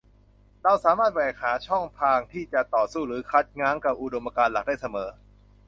เราสามารถแหวกหาช่องทางที่จะต่อสู้หรือคัดง้างกับอุดมการณ์หลักได้เสมอ